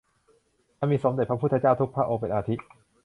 อันมีสมเด็จพระพุทธเจ้าทุกพระองค์เป็นอาทิ